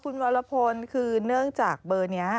คุณวรพลคือเนื่องจากเบอร์นี้